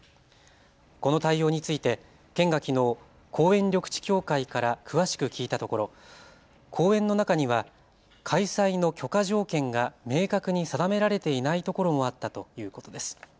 この対応について県がきのう公園緑地協会から詳しく聞いたところ、公園の中には開催の許可条件が明確に定められていない所もあったということです。